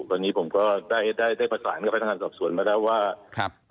ตอนนี้ผมก็ได้ประสานกับพัฒนาการสอบส่วนมาแล้วว่า